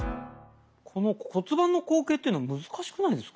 この骨盤の後傾っていうの難しくないですか？